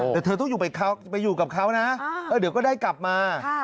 แต่เธอต้องไปอยู่กับเขานะเดี๋ยวก็ได้กลับมา